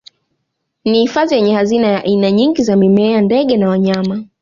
Ni hifadhi yenye hazina ya aina nyingi za mimea ndege na wanyama